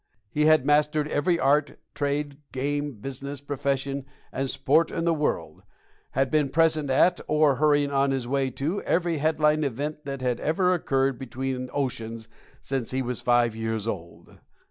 He had mastered every art, trade, game, business, profession, and sport in the world, had been present at, or hurrying on his way to, every headline event that had ever occurred between oceans since he was five years old.